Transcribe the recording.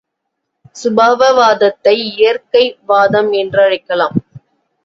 சுபாவவாதத்தை இயற்கை வாதம் என்றழைக்கலாம்.